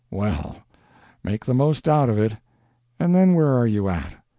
Well, make the most out of it, and then where are you at?